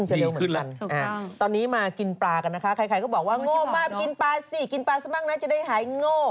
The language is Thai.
อันนี้เป็นตามอายุใข้ด้วย